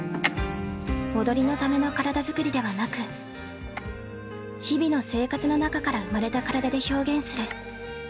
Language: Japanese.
踊りのための体作りではなく日々の生活の中から生まれた体で表現する。